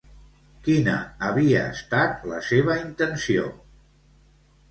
Quina havia estat la seva intenció?